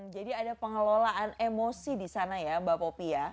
jadi ada pengelolaan emosi di sana ya mbak popi ya